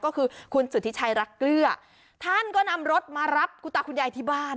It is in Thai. ก็คือคุณสุธิชัยรักเกลือท่านก็นำรถมารับคุณตาคุณยายที่บ้าน